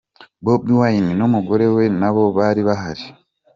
Bobie Wine n'umugore we nabo bari bahari.